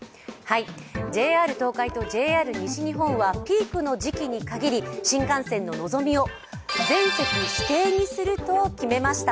ＪＲ東海とＪＲ西日本はピークの時期に限り新幹線ののぞみを全席指定にすると決めました。